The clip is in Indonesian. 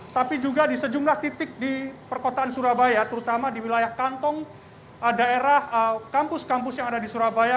tapi juga di sejumlah titik di perkotaan surabaya terutama di wilayah kantong daerah kampus kampus yang ada di surabaya